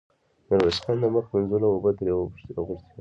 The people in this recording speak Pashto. ميرويس خان د مخ مينځلو اوبه ترې وغوښتې.